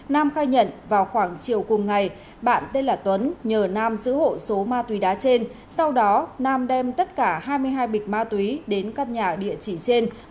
nam khai nhận vào khoảng chiều cùng ngày bạn tên là tuấn nhờ nam giữ hộ số ma túy đá trên sau đó nam đem tất cả hai mươi hai bịch ma túy đến căn nhà địa chỉ trên